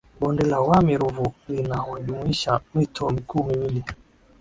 Bonde la Wami Ruvu linajumuisha mito mikuu miwili